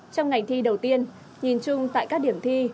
trong ngày thi đầu tiên nhìn chung tại các điểm thi